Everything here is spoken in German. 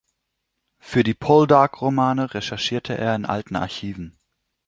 Für die Poldark-Romane recherchierte er in alten Archiven.